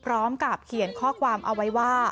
พร้อมกับเขียนข้อความเอาไว้ว่า